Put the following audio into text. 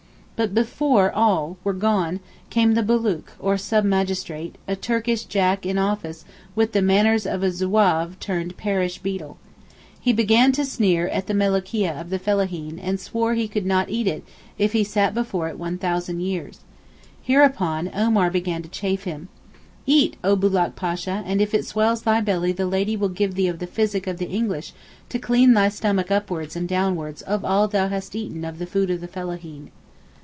But before all were gone, came the Bulook, or sub magistrate—a Turkish Jack in office with the manners of a Zouave turned parish beadle. He began to sneer at the melocheea of the fellaheen and swore he could not eat it if he sat before it 1,000 years. Hereupon, Omar began to 'chaff' him. 'Eat, oh Bulook Pasha and if it swells thy belly the Lady will give thee of the physick of the English to clean thy stomach upwards and downwards of all thou hast eaten of the food of the fellaheen.